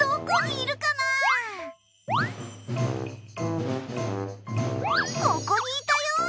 ここにいたよ！